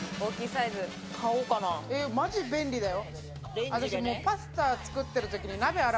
マジ便利だよ。